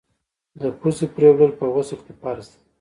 د پزي پرېولل په غسل کي فرض دي.